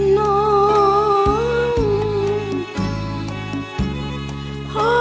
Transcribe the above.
ไม่ใช้ค่ะ